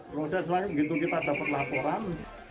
proses begitu kita dapat laporan